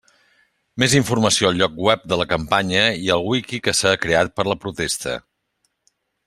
Més informació al lloc web de la campanya i al Wiki que s'ha creat per la protesta.